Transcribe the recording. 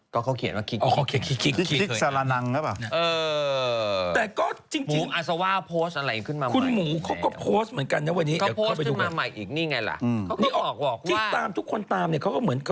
ก็เขาเขียนว่าคิกใช่ไหมอะแล้วเขาเขียนว่าคิกคิกคึก